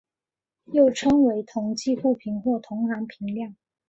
又称为同侪互评或同行评量。